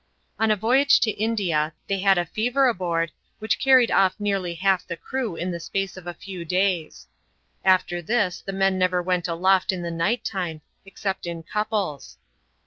On a voyage to India, they had a fever aboard, which carried off nearly half the crew in the space of a few days. After this the men never went aloft in the night time, except in couples.